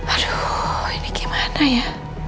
aduh ini gimana ya